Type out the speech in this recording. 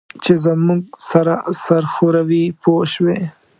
چې زموږ سره سر ښوروي پوه شوې!.